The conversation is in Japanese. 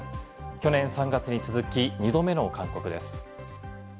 去年３月に続き２度目の勧告です。